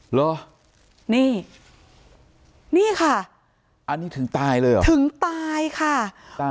เหรอนี่นี่ค่ะอันนี้ถึงตายเลยเหรอถึงตายค่ะตาย